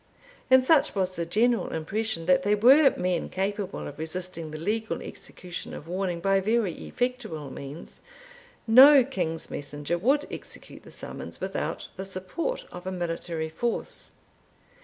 And such was the general impression that they were men capable of resisting the legal execution of warning by very effectual means, no king's messenger would execute the summons without the support of a military force.